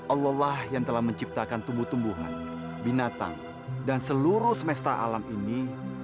allah lah yang telah menciptakan tumbuh tumbuhan binatang dan seluruh semesta alam ini